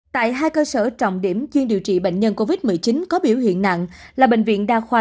tại hai cơ sở trọng điểm chuyên điều trị bệnh nhân covid một mươi chín có biểu hiện nặng là bệnh viện đa khoa